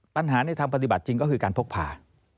ปัญหาในทางปฏิบัติจริงก็คือการพกพา